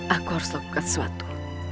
aku harus lakukan sesuatu